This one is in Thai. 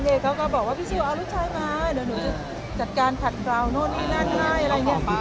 แล้วเค้าก็บอกไว้พี่สุเอาลูกชายมาเดี๋ยวหนูจะจัดการกัดกาาดเขาหน่อเนี่ยอะไรอย่างนี้